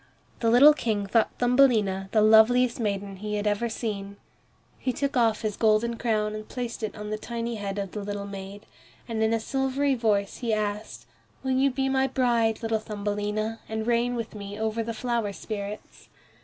The little King thought Thumbelina the loveliest maiden he had ever seen. He took off his golden crown and placed it on the tiny head of the little maid, and in a silvery voice he asked, "Will you be my bride, little Thumbelina, and reign with me over the flower spirits?"